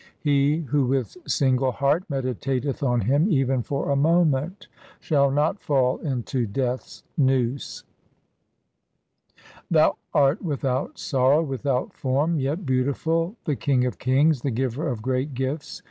He who with single heart meditateth on Him even for a moment Shall not fall into Death's noose. Thou art without sorrow, without form, yet beautiful, the King of kings, the Giver of great gifts.